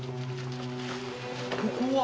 ここは？